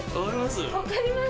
分かります？